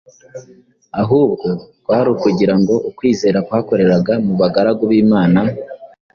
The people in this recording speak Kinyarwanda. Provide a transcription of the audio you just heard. ahubwo kwari ukugira ngo ukwizera kwakoreraga mu bagaragu b’Imana